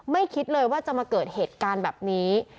คิดเลยว่าจะมาเกิดเหตุการณ์แบบนี้